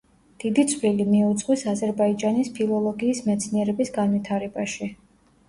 დიდი წვლილი მიუძღვის აზერბაიჯანის ფილოლოგიის მეცნიერების განვითარებაში.